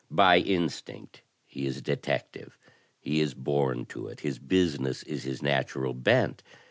By instinct he is a detective. He is bom to it; his business is his natural bent.